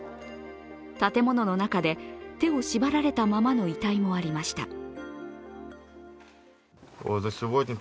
建物の中で手を縛られたままの遺体もありました。